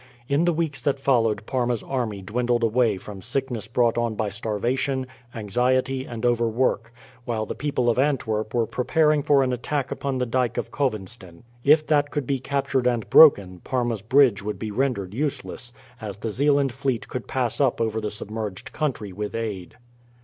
In the weeks that followed Parma's army dwindled away from sickness brought on by starvation, anxiety, and overwork; while the people of Antwerp were preparing for an attack upon the dyke of Kowenstyn. If that could be captured and broken, Parma's bridge would be rendered useless, as the Zeeland fleet could pass up over the submerged country with aid.